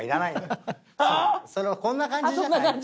「こんな感じじゃない」って。